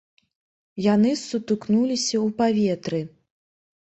Яны сутыкнуліся ў паветры.